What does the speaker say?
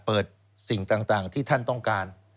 สิ่งต่างที่ท่านต้องการ